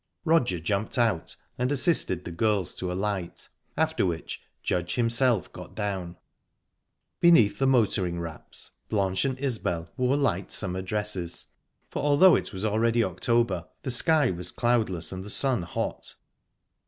Roger jumped out and assisted the girls to alight, after which Judge himself got down. Beneath the motoring wraps, Blanche and Isbel wore light summer dresses, for, although it was already October, the sky was cloudless and the sun hot.